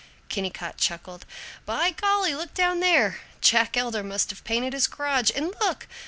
Kennicott chuckled, "By golly, look down there! Jack Elder must have painted his garage. And look!